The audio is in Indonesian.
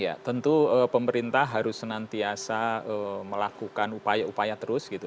ya tentu pemerintah harus senantiasa melakukan upaya upaya terus gitu